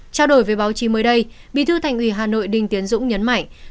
trao đổi với báo chí mới đây bí thư thành ủy hà nội đinh tiến dũng nhấn mạnh